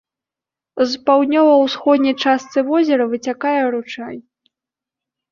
З паўднёва-ўсходняй частцы возера выцякае ручай.